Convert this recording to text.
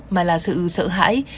mà là sự sợ hãi